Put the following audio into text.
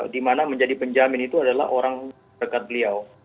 di mana menjadi penjamin itu adalah orang dekat beliau